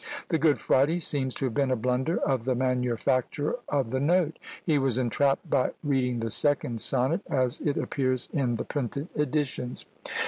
The Good Friday seems to have been a blunder of the manufacturer of the note. He was entrapped by reading the second sonnet, as it appears in the printed editions!